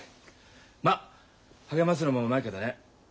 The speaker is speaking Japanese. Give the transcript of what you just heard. まっ励ますのもうまいけどね。